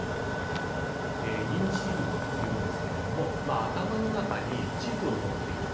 認知地図というんですけれどもまあ頭の中に地図を持っている。